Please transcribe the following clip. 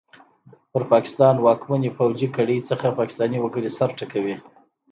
پر پاکستان واکمنې پوځي کړۍ څخه پاکستاني وګړي سر ټکوي!